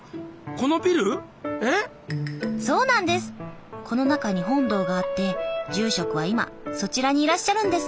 この中に本堂があって住職は今そちらにいらっしゃるんですって。